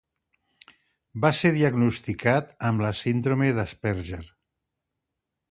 Va ser diagnosticat amb la síndrome d'Asperger.